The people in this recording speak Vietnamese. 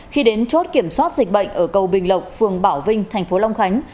khi đến chốt kiểm soát dịch bệnh ở cầu bình lộc phường bảo vinh tp long khánh